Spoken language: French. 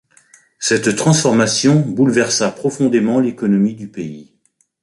Cette transformation bouleversa profondément l'économie du pays.